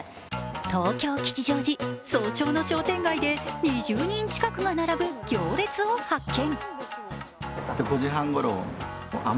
東京・吉祥寺、早朝の商店街で２０人近くが並ぶ行列を発見。